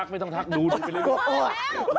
ไม่ต้องทักดูไปเรื่อย